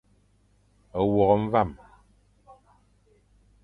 Wôkh mvam.